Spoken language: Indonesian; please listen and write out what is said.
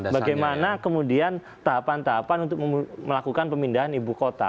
bagaimana kemudian tahapan tahapan untuk melakukan pemindahan ibu kota